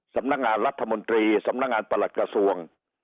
สำนักงานรัฐมนตรีสำนักงานประหลัดกระทรวง